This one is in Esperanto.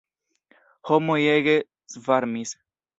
Homoj ege svarmis.